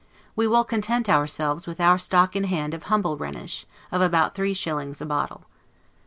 We will content our selves with our stock in hand of humble Rhenish, of about three shillings a bottle.